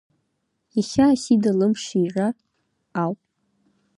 Иахьа Асида лымш иира ауп.